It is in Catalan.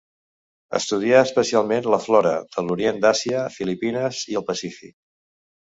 Estudià especialment la flora de l'orient d'Àsia, Filipines i el Pacífic.